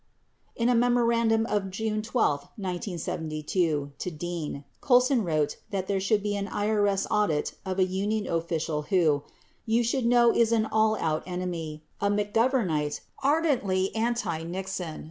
59 In a memorandum of June 12, 1972, to Dean, Colson wrote that there should be an IBS audit of a union official who "you should know is an all out enemy, a McGovernite, ardently anti Nixon